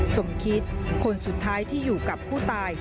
สมคิดคนสุดท้ายที่อยู่กับผู้ตาย